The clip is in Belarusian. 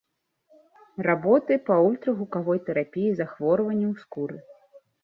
Работы па ультрагукавой тэрапіі захворванняў скуры.